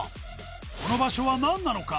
この場所は何なのか？